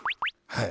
はい。